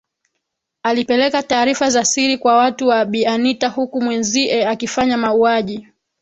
Alipeleka taarifa za siri kwa watu wa Bi Anita huku mwenzie akifanya mauaji